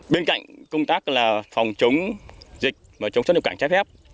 bên cạnh công tác là phòng chống dịch và chống xuất nhập cảnh trái phép